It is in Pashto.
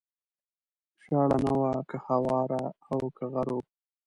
شاړه نه وه که هواره او که غر و